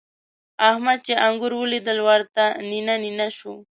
احمد چې انګور وليدل؛ ورته نينه نينه شو.